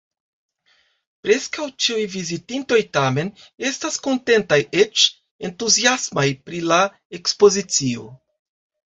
Preskaŭ ĉiuj vizitintoj, tamen, estas kontentaj, eĉ entuziasmaj pri la ekspozicio.